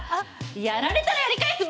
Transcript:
「やられたらやり返す。